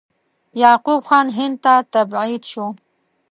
یعقوب خان هند ته تبعید شو.